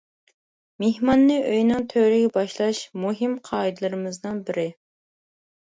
مېھماننى ئۆينىڭ تۆرىگە باشلاش مۇھىم قائىدىلىرىمىزنىڭ بىرى.